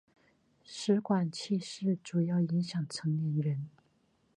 食管憩室主要影响成年人。